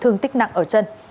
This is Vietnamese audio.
thương tích nặng ở chân